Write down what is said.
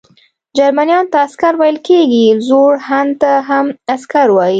جرمنیانو ته عسکر ویل کیږي، زوړ هن ته هم عسکر وايي.